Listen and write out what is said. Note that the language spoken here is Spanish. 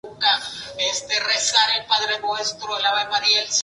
Asimismo fue interpretada más adelante por Tracey Ullman y Annie Lennox.